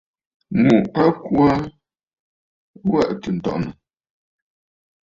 Ŋù a kwo aa tɨ̀ wɛʼɛ̀ ǹtɔ̀ʼɔ̀nə̀.